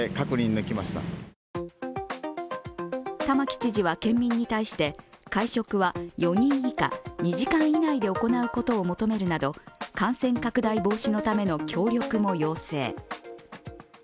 玉城知事は県民に対して、会食は４人以下、２時間以内で行うことを求めるなど感染拡大防止のための協力も要請。